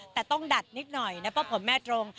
แต่ต้องดัดนิดหน่อยนะเพราะผมแม่ตรง